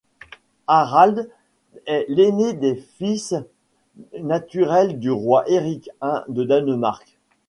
Harald est l'aîné des fils naturels du roi Éric I de Danemark.